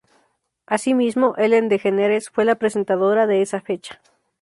Asimismo, Ellen DeGeneres fue la presentadora de esa fecha.